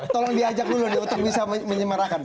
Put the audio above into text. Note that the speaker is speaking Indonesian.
tolong diajak dulu deh untuk bisa menyemarakan